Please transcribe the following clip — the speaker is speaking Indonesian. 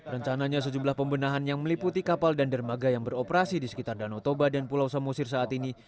rencananya sejumlah pembenahan yang meliputi kapal dan dermaga yang beroperasi di sekitar danau toba dan pulau samosir saat ini